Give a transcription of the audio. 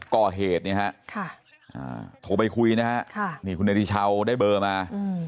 ก็สีเจนไปแล้วก็อยากจะแบบว่า